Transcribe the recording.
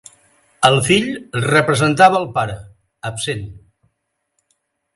El fill representava el pare, absent.